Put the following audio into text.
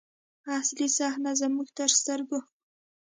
اصلي صحنه زموږ تر سترګو.